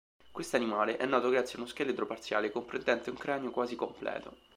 Questo animale è noto grazie a uno scheletro parziale, comprendente un cranio quasi completo.